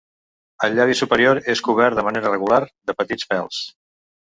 El llavi superior és cobert de manera regular de petits pèls.